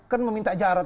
kan meminta jarod